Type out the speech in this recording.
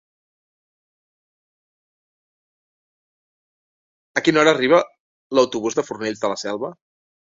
A quina hora arriba l'autobús de Fornells de la Selva?